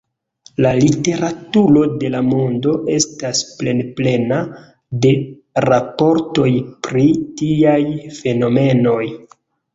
La literaturo de la mondo estas plenplena de raportoj pri tiaj fenomenoj.